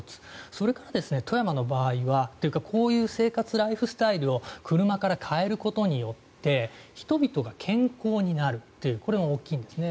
それから、富山の場合はというか、こういう生活、ライフスタイルを車から変えることによって人々が健康になるというこれが大きいんですね。